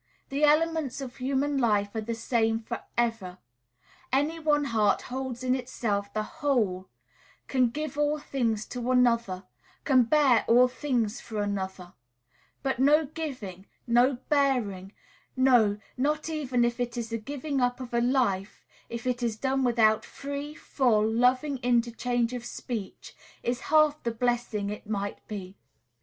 The elements of human life are the same for ever; any one heart holds in itself the whole, can give all things to another, can bear all things for another; but no giving, no bearing, no, not even if it is the giving up of a life, if it is done without free, full, loving interchange of speech, is half the blessing it might be.